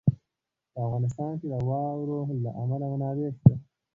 په افغانستان کې د واورو له امله منابع شته.